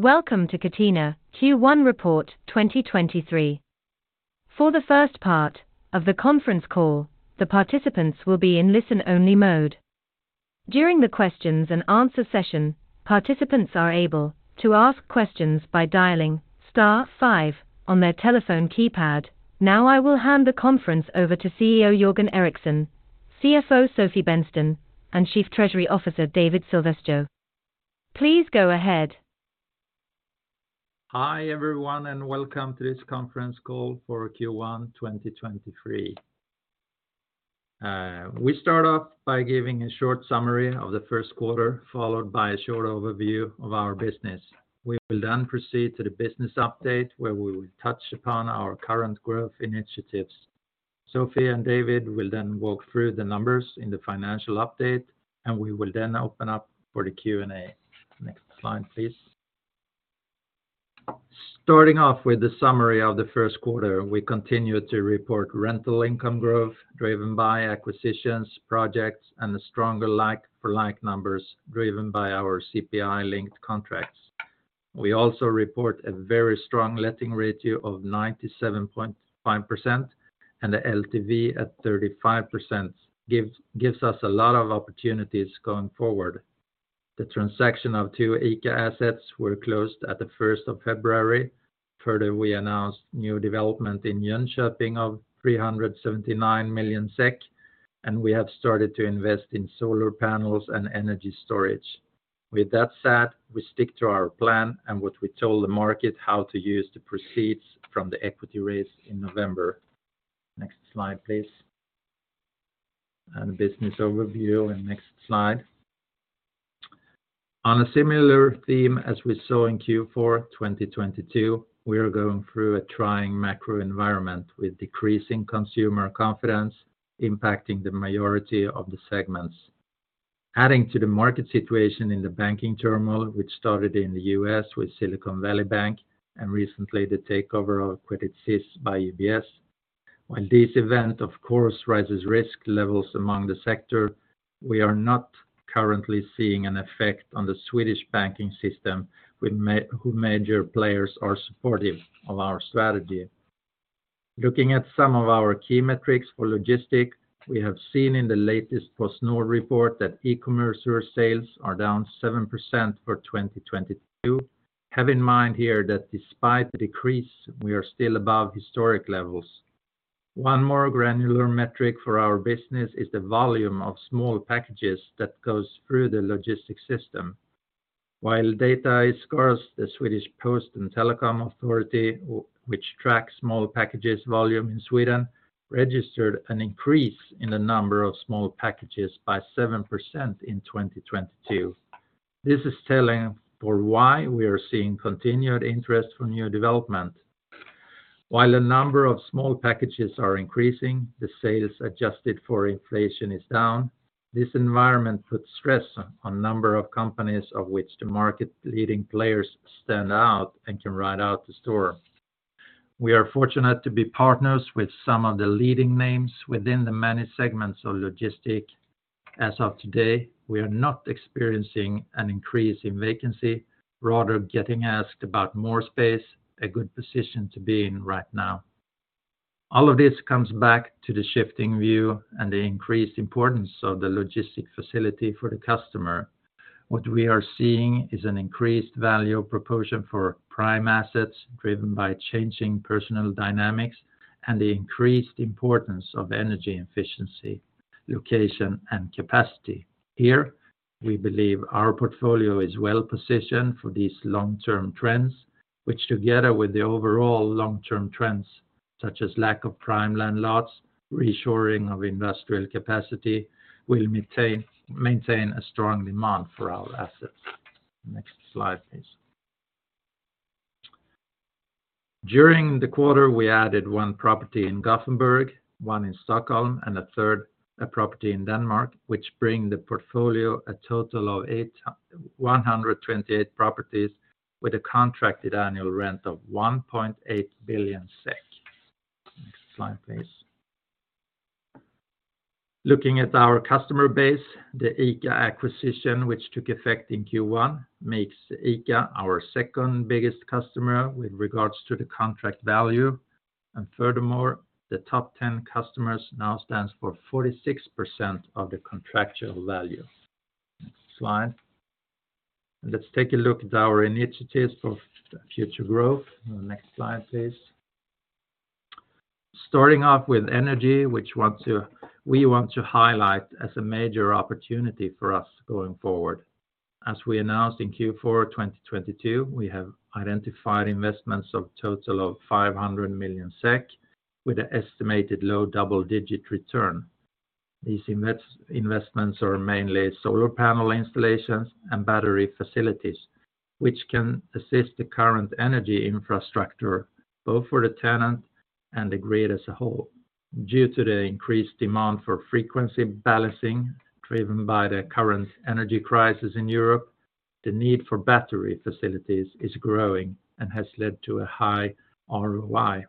Welcome to Catena Q1 Report 2023. For the first part of the conference call, the participants will be in listen-only mode. During the questions and answer session, participants are able to ask questions by dialing star 5 on their telephone keypad. I will hand the conference over to CEO Jörgen Eriksson, CFO Sofie Bennsten, and Chief Treasury Officer, David Silvesjö. Please go ahead. Hi, everyone, and welcome to this conference call for Q1 2023. We start off by giving a short summary of the Q1, followed by a short overview of our business. We will then proceed to the business update, where we will touch upon our current growth initiatives. Sofie and David will then walk through the numbers in the financial update, and we will then open up for the Q&A. Next slide, please. Starting off with the summary of the Q1, we continue to report rental income growth driven by acquisitions, projects, and the stronger like for like numbers driven by our CPI-linked contracts. We also report a very strong letting ratio of 97.5% and the LTV at 35% gives us a lot of opportunities going forward. The transaction of two ICA assets were closed at the 1st of February. Further, we announced new development in Jönköping of 379 million SEK, and we have started to invest in solar panels and energy storage. With that said, we stick to our plan and what we told the market how to use the proceeds from the equity raise in November. Next slide, please. The business overview in next slide. On a similar theme as we saw in Q4 2022, we are going through a trying macro environment with decreasing consumer confidence impacting the majority of the segments. Adding to the market situation in the banking turmoil, which started in the U.S. with Silicon Valley Bank and recently the takeover of Credit Suisse by UBS. While this event of course rises risk levels among the sector, we are not currently seeing an effect on the Swedish banking system with major players are supportive of our strategy. Looking at some of our key metrics for logistics, we have seen in the latest PostNord report that e-commerce sales are down 7% for 2022. Have in mind here that despite the decrease, we are still above historic levels. One more granular metric for our business is the volume of small packages that goes through the logistics system. While data is scarce, the Swedish Post and Telecom Authority, which tracks small packages volume in Sweden, registered an increase in the number of small packages by 7% in 2022. This is telling for why we are seeing continued interest from new development. While a number of small packages are increasing, the sales adjusted for inflation is down. This environment puts stress on number of companies of which the market-leading players stand out and can ride out the storm. We are fortunate to be partners with some of the leading names within the many segments of logistics. As of today, we are not experiencing an increase in vacancy, rather getting asked about more space, a good position to be in right now. All of this comes back to the shifting view and the increased importance of the logistics facility for the customer. What we are seeing is an increased value proportion for prime assets driven by changing personal dynamics and the increased importance of energy efficiency, location, and capacity. Here, we believe our portfolio is well-positioned for these long-term trends, which together with the overall long-term trends such as lack of prime land lots, reshoring of industrial capacity will maintain a strong demand for our assets. Next slide, please. During the quarter, we added one property in Gothenburg, one in Stockholm, and a third, a property in Denmark, which bring the portfolio a total of 128 properties with a contracted annual rent of 1.8 billion SEK. Next slide, please. Looking at our customer base, the ICA acquisition which took effect in Q1 makes ICA our second biggest customer with regards to the contract value. Furthermore, the top 10 customers now stand for 46% of the contractual value. Next slide. Let's take a look at our initiatives for future growth. Next slide, please. Starting off with energy, which we want to highlight as a major opportunity for us going forward. As we announced in Q4 2022, we have identified investments of total of 500 million SEK with an estimated low double-digit return. These investments are mainly solar panel installations and battery facilities, which can assist the current energy infrastructure, both for the tenant and the grid as a whole. Due to the increased demand for frequency balancing driven by the current energy crisis in Europe, the need for battery facilities is growing and has led to a high ROI.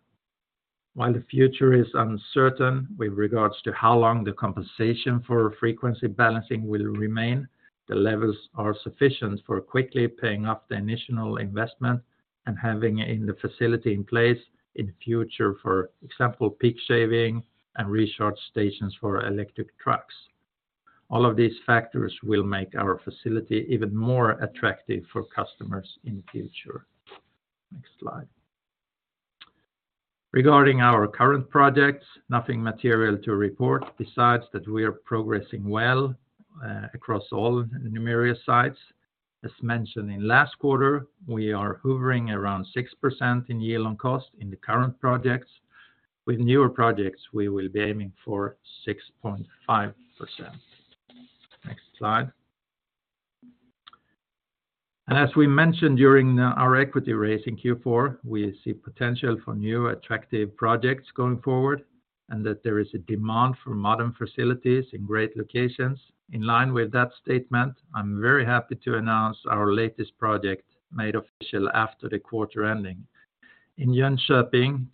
While the future is uncertain with regards to how long the compensation for frequency balancing will remain, the levels are sufficient for quickly paying off the initial investment and having it in the facility in place in the future, for example, peak shaving and recharge stations for electric trucks. All of these factors will make our facility even more attractive for customers in future. Next slide. Regarding our current projects, nothing material to report besides that we are progressing well across all numerous sites. As mentioned in last quarter, we are hovering around 6% in yield on cost in the current projects. With newer projects, we will be aiming for 6.5%. Next slide. As we mentioned during our equity raise in Q4, we see potential for new attractive projects going forward, and that there is a demand for modern facilities in great locations. In line with that statement, I'm very happy to announce our latest project made official after the quarter ending. In Jönköping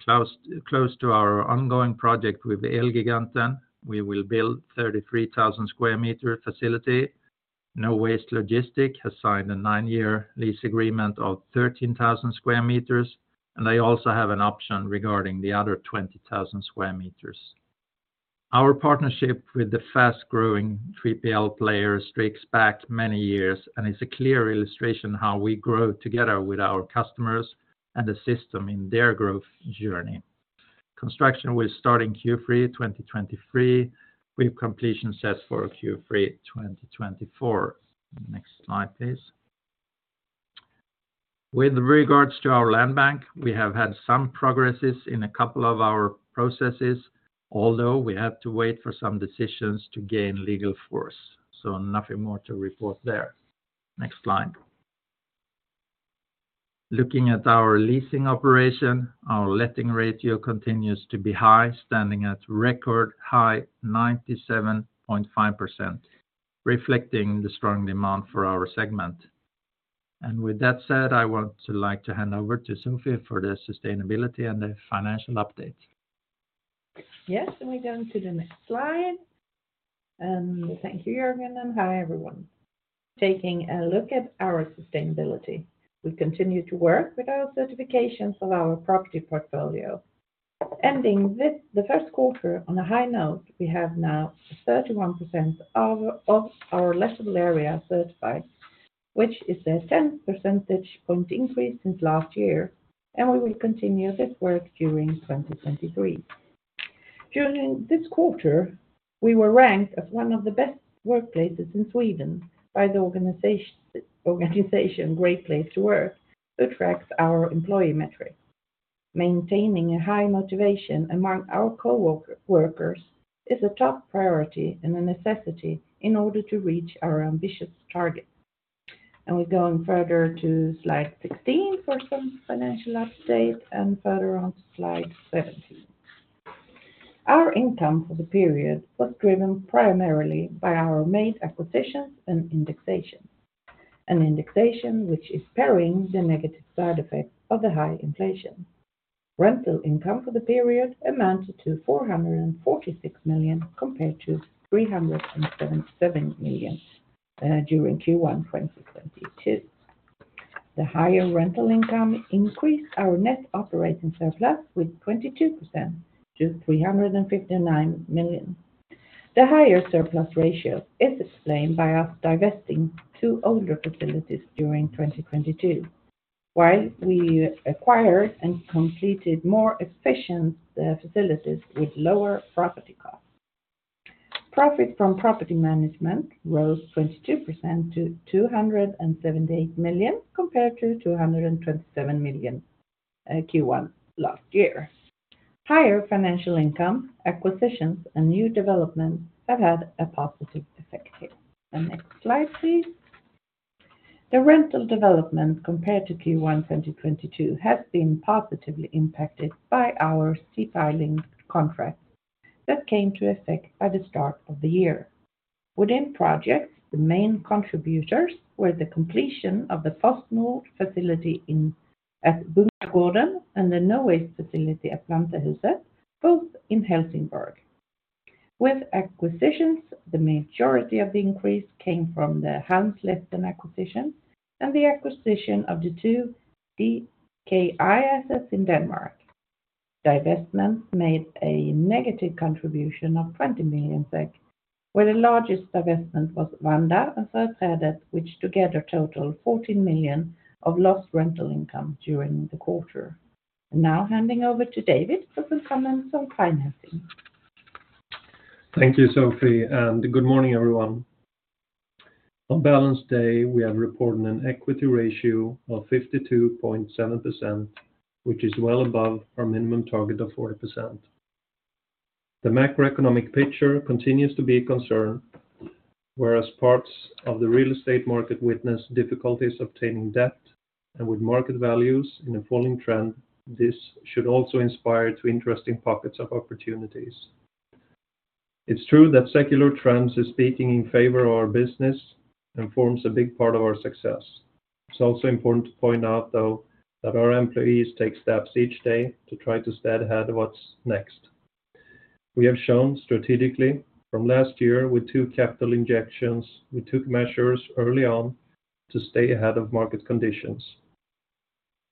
close to our ongoing project with Elgiganten, we will build 33,000 square meter facility. Nowaste Logistics has signed a 9-year lease agreement of 13,000 square meters, and they also have an option regarding the other 20,000 square meters. It's a clear illustration how we grow together with our customers and the system in their growth journey. Construction will start in Q3 2023, with completion set for Q3 2024. Next slide, please. With regards to our land bank, we have had some progresses in a couple of our processes, although we have to wait for some decisions to gain legal force, nothing more to report there. Next slide. Looking at our leasing operation, our letting ratio continues to be high, standing at record high 97.5%, reflecting the strong demand for our segment. With that said, I want to like to hand over to Sofie for the sustainability and the financial update. Yes, we go on to the next slide. Thank you, Jörgen, and hi, everyone. Taking a look at our sustainability, we continue to work with our certifications of our property portfolio. Ending with the Q1 on a high note, we have now 31% of our lettable area certified, which is a 10 percentage point increase since last year, and we will continue this work during 2023. During this quarter, we were ranked as one of the best workplaces in Sweden by the organization Great Place to Work, who tracks our employee metrics. Maintaining a high motivation among our coworkers is a top priority and a necessity in order to reach our ambitious targets. We're going further to slide 16 for some financial update and further on to slide 17. Our income for the period was driven primarily by our made acquisitions and indexation, an indexation which is pairing the negative side effects of the high inflation. Rental income for the period amounted to 446 million compared to 377 million during Q1 2022. The higher rental income increased our net operating surplus with 22% to 359 million. The higher surplus ratio is explained by us divesting two older facilities during 2022, while we acquired and completed more efficient facilities with lower property costs. Profit from property management rose 22% to 278 million compared to 227 million Q1 last year. Higher financial income, acquisitions, and new developments have had a positive effect here. The next slide, please. The rental development compared to Q1 2022 has been positively impacted by our CPI link contract that came to effect by the start of the year. Within projects, the main contributors were the completion of the PostNord facility at Bunkagården and the Nowaste facility at Plantehuset, both in Helsingborg. With acquisitions, the majority of the increase came from the Hans-Litten acquisition and the acquisition of the two DKI assets in Denmark. Divestments made a negative contribution of 20 million SEK, where the largest divestment was Vanda and Forsätet which together totaled 14 million of lost rental income during the quarter. Now handing over to David for some comments on financing. Thank you, Sofie, and good morning, everyone. On balance day, we have reported an equity ratio of 52.7%, which is well above our minimum target of 40%. The macroeconomic picture continues to be a concern, whereas parts of the real estate market witness difficulties obtaining debt and with market values in a falling trend, this should also inspire to interesting pockets of opportunities. It's true that secular trends is speaking in favor of our business and form a big part of our success. It's also important to point out, though, that our employees take steps each day to try to stay ahead of what's next. We have shown strategically from last year with two capital injections, we took measures early on to stay ahead of market conditions.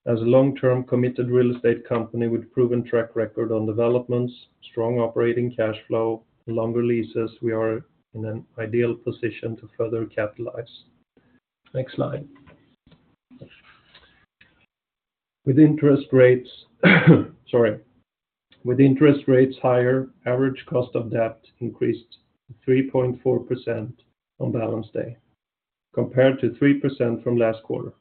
As a long-term committed real estate company with proven track record on developments, strong operating cash flow, and longer leases, we are in an ideal position to further capitalize. Next slide. Sorry. With interest rates higher, average cost of debt increased 3.4% on balance day compared to 3% from last quarter.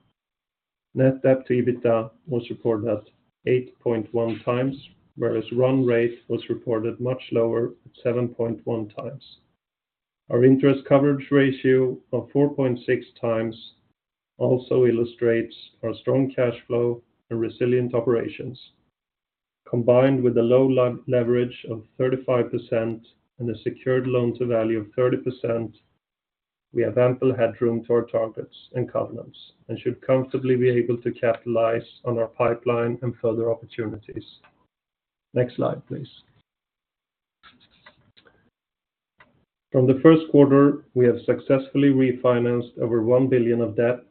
Net debt to EBITDA was reported at 8.1 times, whereas run rate was reported much lower at 7.1 times. Our interest coverage ratio of 4.6 times also illustrates our strong cash flow and resilient operations. Combined with a low leverage of 35% and a secured loan to value of 30%, we have ample headroom to our targets and covenants, and should comfortably be able to capitalize on our pipeline and further opportunities. Next slide, please. From the Q1, we have successfully refinanced over 1 billion of debt.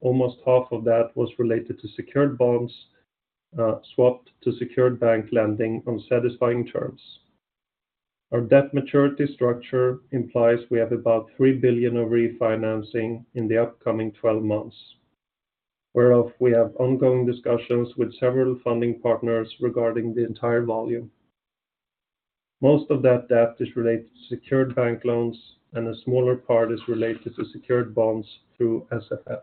Almost half of that was related to secured bonds, swapped to secured bank lending on satisfying terms. Our debt maturity structure implies we have about 3 billion of refinancing in the upcoming 12 months, where of we have ongoing discussions with several funding partners regarding the entire volume. Most of that debt is related to secured bank loans, and a smaller part is related to secured bonds through SFF.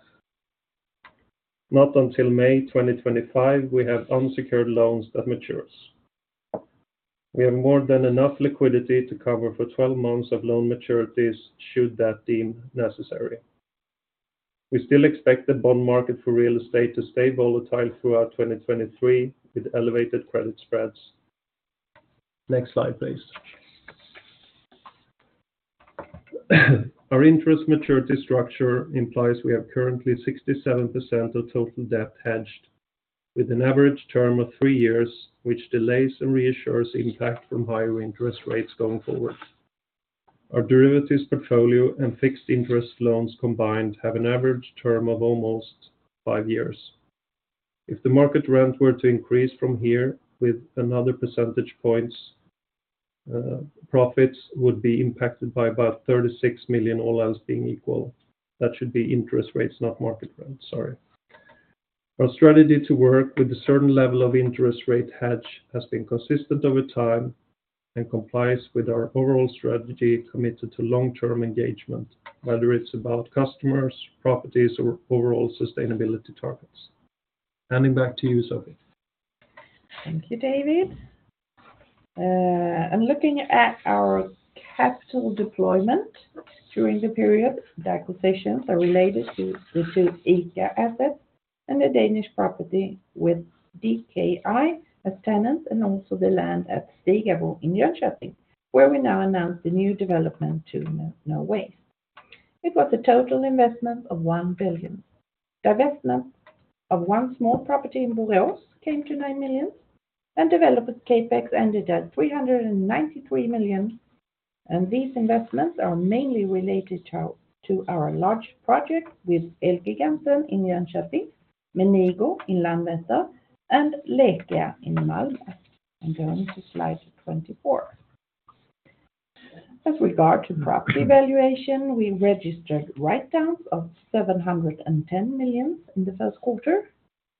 Not until May 2025, we have unsecured loans that mature. We have more than enough liquidity to cover for 12 months of loan maturities should that deem necessary. We still expect the bond market for real estate to stay volatile throughout 2023 with elevated credit spreads. Next slide, please. Our interest maturity structure implies we have currently 67% of total debt hedged with an average term of three years, which delays and reassures impact from higher interest rates going forward. Our derivatives portfolio and fixed interest loans combined have an average term of almost five years. If the market rent were to increase from here with another percentage points, profits would be impacted by about 36 million all else being equal. That should be interest rates, not market rent. Sorry. Our strategy to work with a certain level of interest rate hedge has been consistent over time and complies with our overall strategy committed to long-term engagement, whether it's about customers, properties, or overall sustainability targets. Handing back to you, Sofie. Thank you, David. I'm looking at our capital deployment during the period. The acquisitions are related to the two IKEA assets and the Danish property with DKI as tenant and also the land at Stigamo in Jönköping, where we now announced the new development to Norway. It was a total investment of 1 billion. Divestment of one small property in Borås came to 9 million, and development CapEx ended at 393 million. These investments are mainly related to our large project with Elgiganten in Jönköping, Menigo in Landvetter, and IKEA in Malmö. I'm going to slide 24. As regard to property valuation, we registered write-downs of 710 million in the Q1,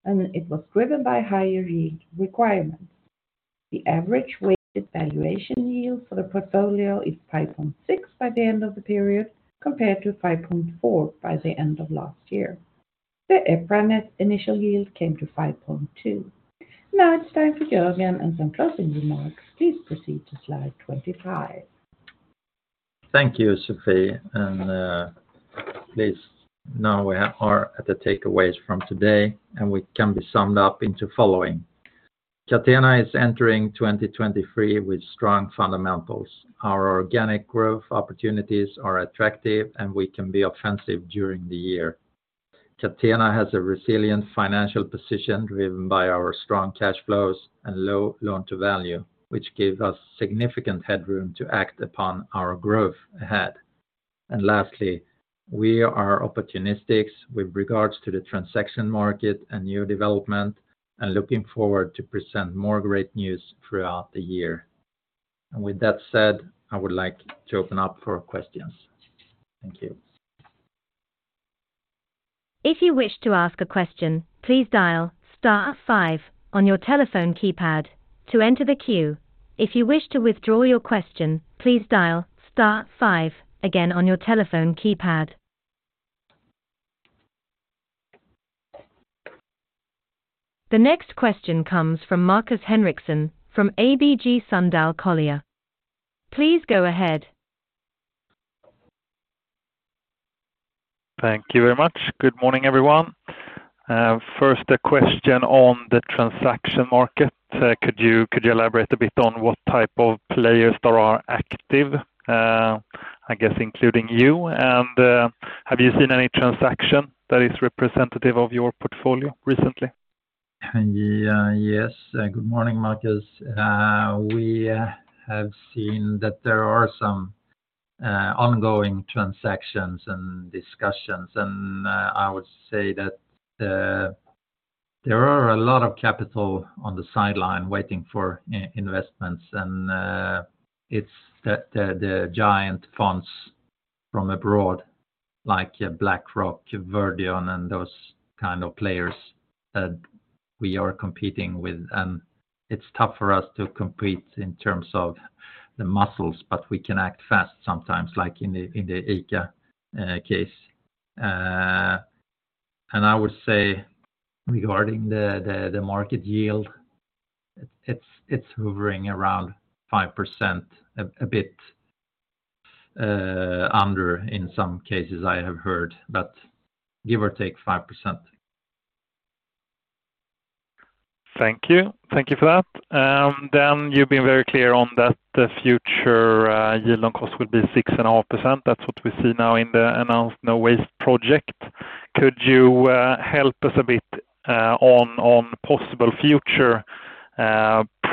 and it was driven by higher yield requirements. The average weighted valuation yield for the portfolio is 5.6 by the end of the period, compared to 5.4 by the end of last year. The EPRA initial yield came to 5.2. Now it's time for Jörgen and some closing remarks. Please proceed to slide 25. Thank you, Sofie. Please now we are at the takeaways from today, and we can be summed up into following. Catena is entering 2023 with strong fundamentals. Our organic growth opportunities are attractive, and we can be offensive during the year. Catena has a resilient financial position driven by our strong cash flows and low loan to value, which give us significant headroom to act upon our growth ahead. Lastly, we are opportunistic with regards to the transaction market and new development and looking forward to present more great news throughout the year. With that said, I would like to open up for questions. Thank you. If you wish to ask a question, please dial star five on your telephone keypad to enter the queue. If you wish to withdraw your question, please dial star five again on your telephone keypad. The next question comes from Markus Henriksson from ABG Sundal Collier. Please go ahead. Thank you very much. Good morning, everyone. First, a question on the transaction market. Could you elaborate a bit on what type of players that are active? I guess including you and, have you seen any transaction that is representative of your portfolio recently? Yeah. Yes. Good morning, Marcus. We have seen that there are some ongoing transactions and discussions, and I would say that there are a lot of capital on the sideline waiting for investments. It's the giant funds from abroad, like BlackRock, Verdion, and those kind of players that we are competing with. It's tough for us to compete in terms of the muscles, but we can act fast sometimes, like in the ICA case. I would say regarding the market yield, it's hovering around 5%, a bit under, in some cases I have heard, but give or take 5%. Thank you. Thank you for that. You've been very clear on that the future yield on cost will be 6.5%. That's what we see now in the announced Nowaste project. Could you help us a bit on possible future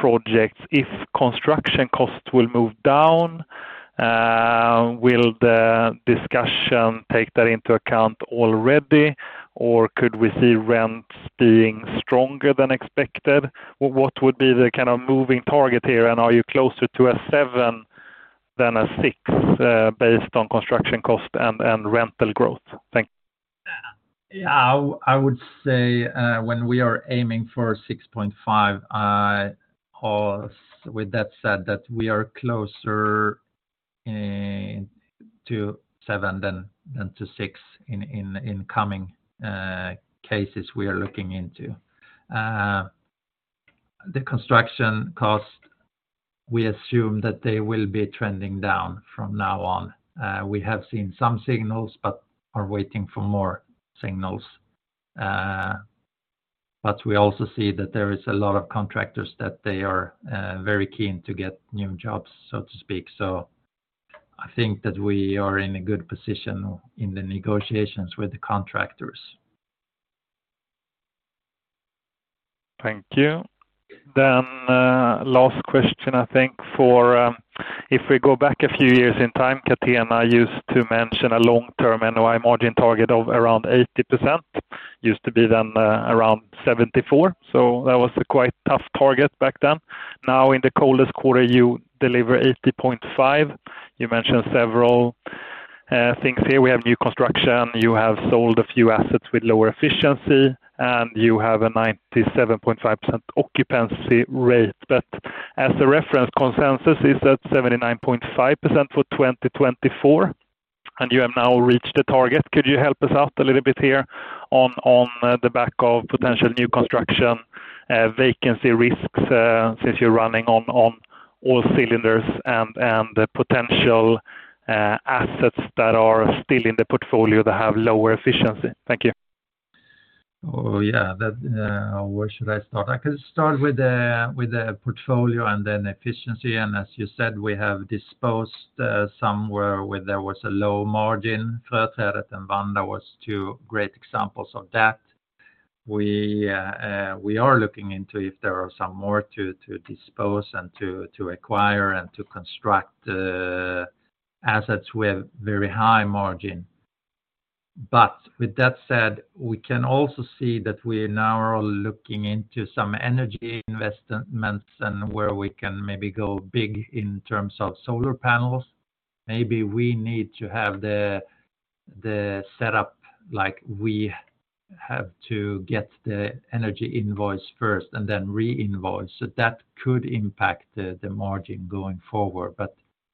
projects if construction costs will move down? Will the discussion take that into account already, or could we see rents being stronger than expected? What would be the kind of moving target here, and are you closer to a 7 than a 6 based on construction cost and rental growth? Thank you. I would say, when we are aiming for 6.5, with that said that we are closer to seven than to six in coming cases we are looking into. The construction cost, we assume that they will be trending down from now on. We have seen some signals, but are waiting for more signals. We also see that there is a lot of contractors that they are very keen to get new jobs, so to speak. I think that we are in a good position in the negotiations with the contractors. Thank you. Last question, I think for, if we go back a few years in time, Catena used to mention a long-term NOI margin target of around 80%. Used to be then, around 74. That was a quite tough target back then. Now, in the coldest quarter, you deliver 80.5%. You mentioned several things here. We have new construction. You have sold a few assets with lower efficiency, and you have a 97.5% occupancy rate. As a reference, consensus is at 79.5% for 2024, and you have now reached the target. Could you help us out a little bit here on the back of potential new construction, vacancy risks, since you're running on all cylinders and potential assets that are still in the portfolio that have lower efficiency? Thank you. Yeah. That, where should I start? I can start with the portfolio and then efficiency. As you said, we have disposed somewhere where there was a low margin. Forsätet and Vanda was two great examples of that. We are looking into if there are some more to dispose and to acquire and to construct assets with very high margin. With that said, we can also see that we now are looking into some energy investments and where we can maybe go big in terms of solar panels. Maybe we need to have the set up, like we have to get the energy invoice first and then re-invoice. That could impact the margin going forward.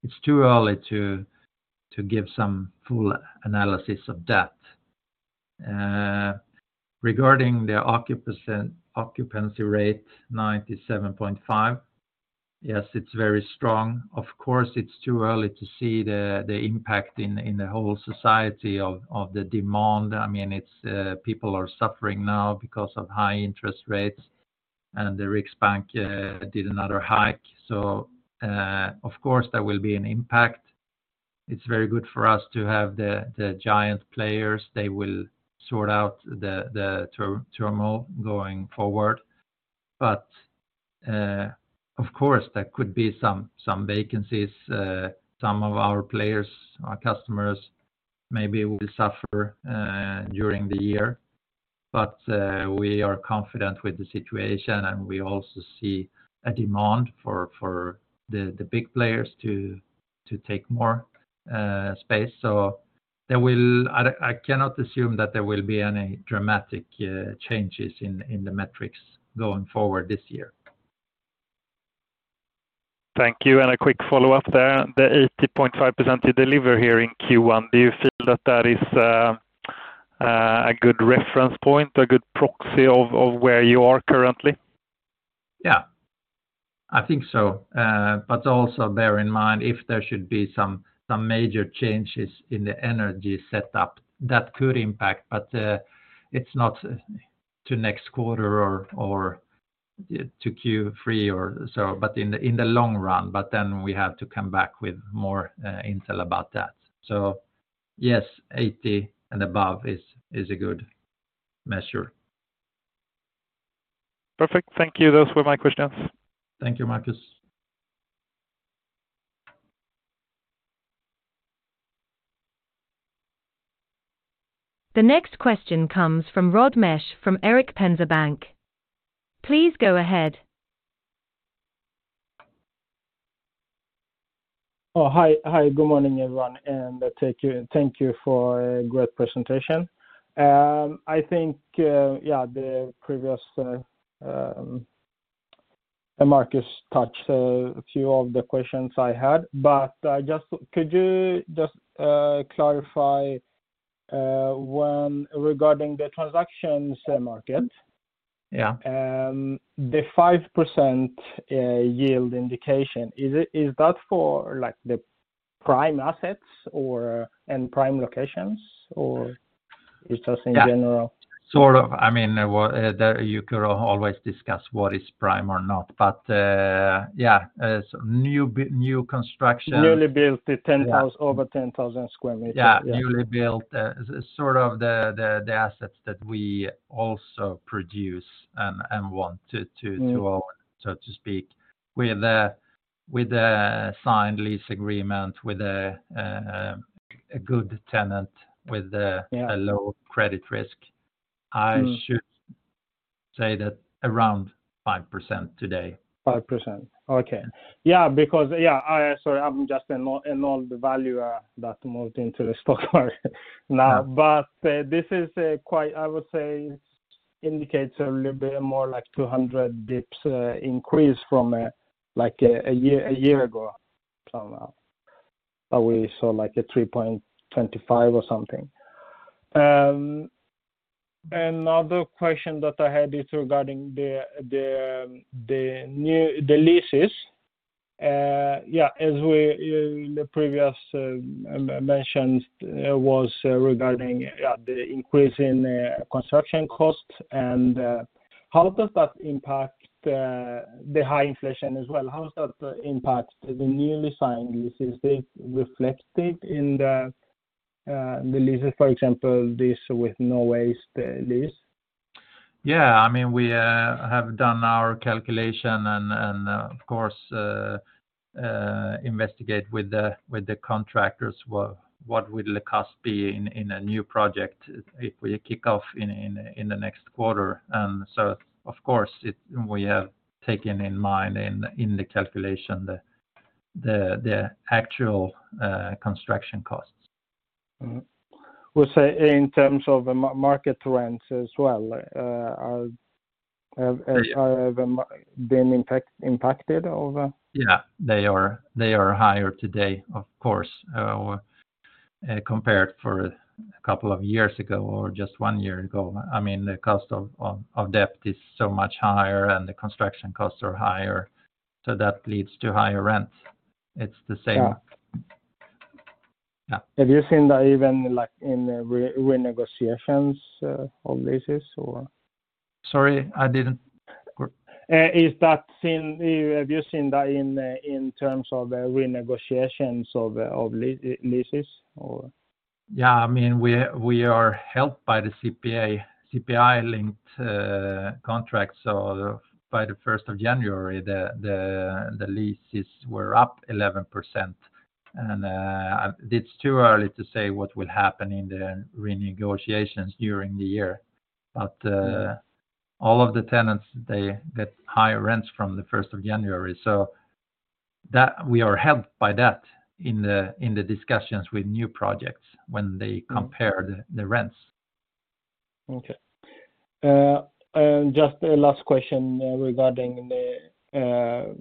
It's too early to give some full analysis of that. Regarding the occupancy rate, 97.5%. Yes, it's very strong. Of course, it's too early to see the impact in the whole society of the demand. I mean, it's people are suffering now because of high interest rates, and the Riksbank did another hike. Of course, there will be an impact. It's very good for us to have the giant players. They will sort out the turmoil going forward. Of course, there could be some vacancies. Some of our players, our customers, maybe will suffer during the year. We are confident with the situation, and we also see a demand for the big players to take more space. I cannot assume that there will be any dramatic changes in the metrics going forward this year. Thank you. A quick follow-up there. The 80.5% you deliver here in Q1, do you feel that that is a good reference point, a good proxy of where you are currently? Yeah, I think so. Also bear in mind, if there should be some major changes in the energy setup, that could impact. It's not to next quarter or to Q3 or so, but in the long run. We have to come back with more intel about that. Yes, 80 and above is a good measure. Perfect. Thank you. Those were my questions. Thank you, Marcus. The next question comes from Örjan Rudén from Erik Penser Bank. Please go ahead. Oh, hi. Hi. Good morning, everyone. Thank you for a great presentation. I think, yeah, the previous, Marcus touched a few of the questions I had, but could you just clarify when regarding the transactions market? Yeah. The 5% yield indication, is that for, like, the prime assets or, and prime locations, or it's just in general? Yeah. Sort of. I mean, well, there you could always discuss what is prime or not, but, yeah, some new construction. Newly built, over 10,000 square meters. Yeah. Newly built, sort of the assets that we also produce and want to own, so to speak, with a signed lease agreement, with a good tenant. Yeah a low credit risk. Mm. I should say that around 5% today. 5%. Okay. Yeah, because yeah, Sorry, I'm just an old valuer that moved into the stock market now. This is quite, I would say, indicates a little bit more like 200 dips, increase from, like, a year ago, somehow. We saw like a 3.25% or something. Another question that I had is regarding the leases. Yeah, as we in the previous mentioned was regarding, yeah, the increase in construction costs. How does that impact the high inflation as well? How does that impact the newly signed leases? They reflect it in the leases, for example, this with Nowaste lease. Yeah, I mean, we have done our calculation and of course, investigate with the contractors what would the cost be in a new project if we kick off in the next quarter. Of course, we have taken in mind in the calculation the actual construction costs. We'll say in terms of market rents as well, have been impacted over? They are higher today, of course, compared for a couple of years ago or just one year ago. I mean, the cost of debt is so much higher and the construction costs are higher, so that leads to higher rents. It's the same. Yeah. Yeah. Have you seen that even, like, in renegotiations, of leases or? Sorry, I didn't... Have you seen that in terms of renegotiations of leases or? Yeah, I mean, we are helped by the CPI-linked contract. By the first of January, the leases were up 11%. It's too early to say what would happen in the renegotiations during the year. All of the tenants, they get higher rents from the first of January. That we are helped by that in the discussions with new projects when they compare the rents. Okay. Just a last question regarding the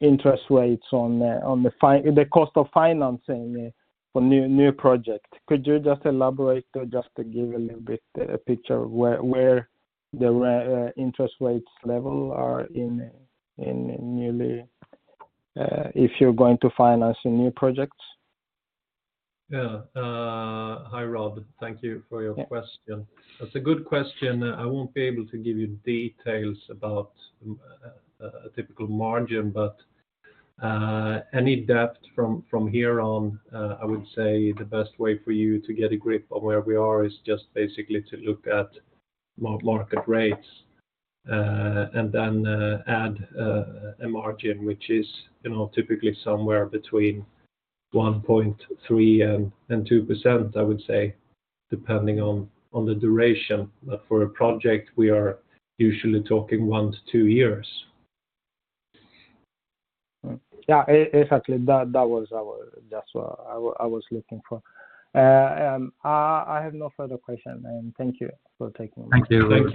interest rates on the cost of financing for new projects. Could you just elaborate or just give a little bit a picture of where the interest rates level are in newly, if you're going to finance some new projects? Yeah. Hi, Röd. Thank you for your question. That's a good question. I won't be able to give you details about a typical margin, but any depth from here on, I would say the best way for you to get a grip on where we are is just basically to look at market rates, and then add a margin, which is, you know, typically somewhere between 1.3 and 2%, I would say, depending on the duration. For a project, we are usually talking 1-2 years. Yeah, exactly. That's what I was looking for. I have no further question. Thank you for taking my call. Thank you. Thank you.